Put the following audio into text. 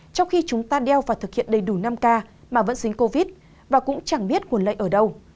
trong khi chúng ta đeo và thực hiện đầy đủ năm k mà vẫn dính covid và cũng chẳng biết nguồn lây ở đâu